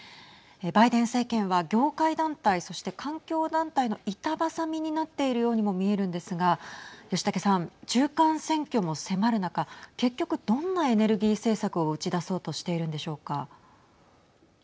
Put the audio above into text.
バイデン政権は業界団体、そして環境団体の板挟みになっているようにも見えるんですが吉武さん、中間選挙も迫る中結局、どんなエネルギー政策を打ち出そうとしているのでしょうか。